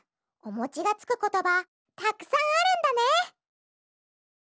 おもちがつくことばたくさんあるんだね。